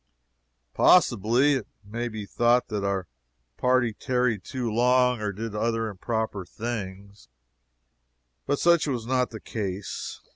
Possibly it may be thought that our party tarried too long, or did other improper things, but such was not the case.